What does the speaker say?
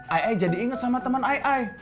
ai ai jadi inget sama teman ai ai